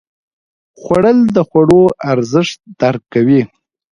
خوړل د خوړو ارزښت درک کوي